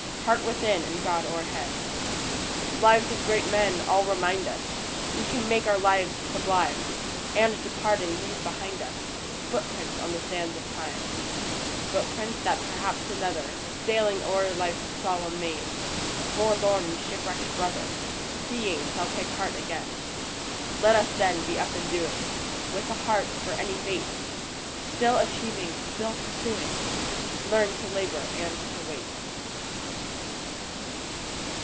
Heart within, and God o'erhead ! A PSALM OF LIFE. Lives of great men all remind us We can make our lives sublime, And, departing, leave behind us Footsteps on the sands of time ; Footsteps, that perhaps another, Sailing o'er life's solemn main, A forlorn and shipwrecked brother, Seeing, shall take heart again. Let us, then, be up and doing, With a heart for any fate ; Still achieving, still pursuing, Learn to labor and to wait.